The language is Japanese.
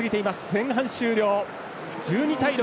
前半終了、１２対６。